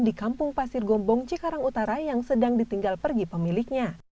di kampung pasir gombong cikarang utara yang sedang ditinggal pergi pemiliknya